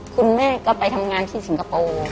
คุณแม่ก็ไปทำงานที่สิงคโปร์